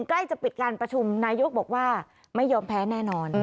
ใกล้จะปิดการประชุมนายกบอกว่าไม่ยอมแพ้แน่นอน